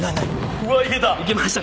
うわっいけた。